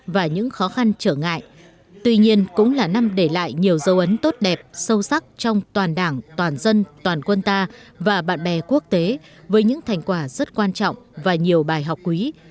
và những khó khăn trở ngại tuy nhiên cũng là năm để lại nhiều dấu ấn tốt đẹp sâu sắc trong toàn đảng toàn dân toàn quân ta và bạn bè quốc tế với những thành quả rất quan trọng và nhiều bài học quý